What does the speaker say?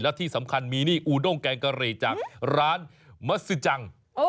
แล้วที่สำคัญมีนี่อูด้งแกงกะหรี่จากร้านมัศจัง